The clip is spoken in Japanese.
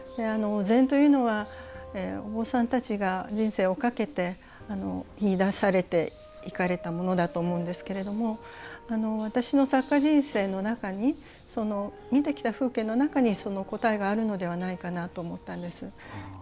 禅というのはお坊さんたちが人生をかけて見いだされていかれたものだと思うんですけれども私の作家人生の中にその見てきた風景の中にその答えがあるのではないかなと思ったんです。